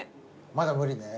まだ無理だね。